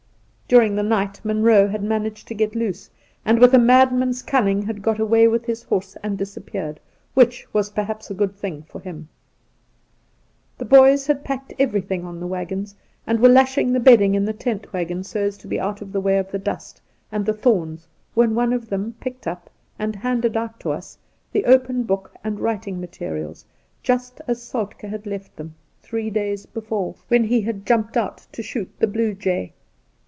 During the night Munroe had managed to get loose, and with a madman's cunning had got away with his horse and disappeared, which was perhaps a good thing for him. The boys had packed everything on the waggons, and were lashing the bedding in the tent waggon so as to be out of the way of the dust and the thorns, when one of them picked up and handed put to us the open book and writing materials, • just as Soltke had left them three days before, { 74 Soltke when he had jumped out to shoot the blue jay.